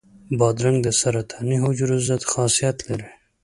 بادرنګ د سرطاني حجرو ضد خاصیت لري.